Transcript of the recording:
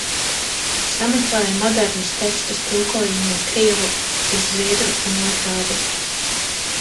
Sameklēju modernus tekstus tulkojumiem krievu uz zviedru un otrādi.